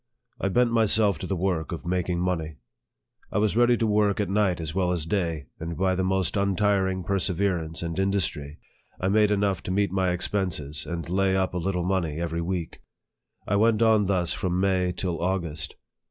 I bent myself to the work of making money. I was ready to work at night as well as day, and by the most untiring perseverance and industry, I made enough to meet my expenses, and lay up a little money every week. I went on thus from May till August.